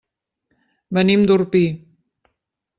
Venim d'Orpí.